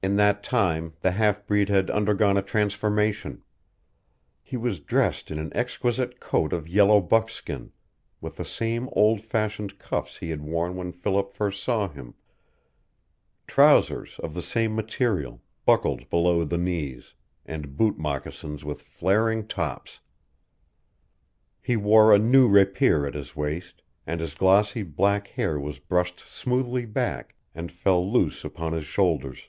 In that time the half breed had undergone a transformation. He was dressed in an exquisite coat of yellow buckskin, with the same old fashioned cuffs he had worn when Philip first saw him, trousers of the same material, buckled below the knees, and boot moccasins with flaring tops. He wore a new rapier at his waist, and his glossy black hair was brushed smoothly back, and fell loose upon his shoulders.